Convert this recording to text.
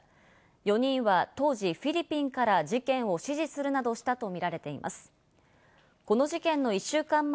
４人は当時フィリピンから事件を指示するなどしたと見られています。